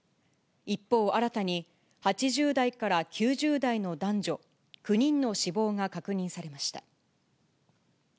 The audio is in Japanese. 一方新たに、８０代から９０代の男女９人の死亡が確認されました。